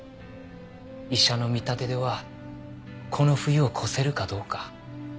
医者の見立てではこの冬を越せるかどうか。